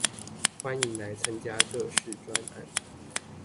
歡迎來參加各式專案